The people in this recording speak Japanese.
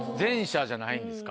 じゃないんですか？